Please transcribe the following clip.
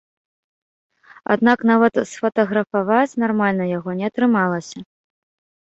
Аднак нават сфатаграфаваць нармальна яго не атрымалася.